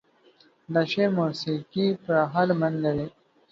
د شعر موسيقي پراخه لمن لري.